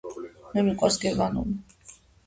მე მიყვარს გერმანული